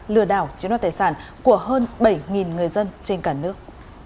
lừa đảo chiếm đoạt tài sản của hơn bảy người dân trên cả nước